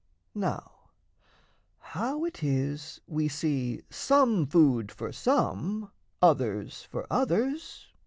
Now, how it is we see some food for some, Others for others....